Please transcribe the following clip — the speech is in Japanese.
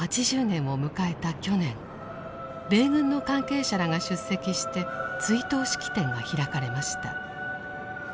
去年米軍の関係者らが出席して追悼式典が開かれました。